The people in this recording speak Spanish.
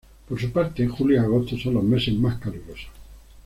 Por su parte, julio y agosto son los meses más calurosos.